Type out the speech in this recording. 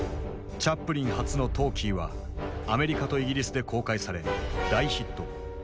チャップリン初のトーキーはアメリカとイギリスで公開され大ヒット。